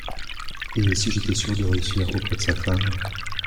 Et si j’étais sûr de réussir auprès de sa femme…